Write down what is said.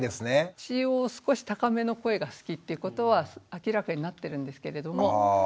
一応少し高めの声が好きっていうことは明らかになってるんですけれども。